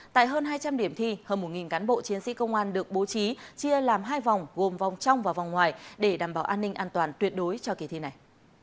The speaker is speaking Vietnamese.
tại hơn hai trăm linh điểm thi hơn một cán bộ chiến sĩ công an được bố trí chia làm hai vòng gồm vòng trong và vòng ngoài để đảm bảo an ninh an toàn tuyệt đối cho kỳ thi này